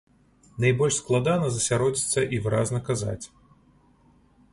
Найбольш складана засяродзіцца і выразна казаць.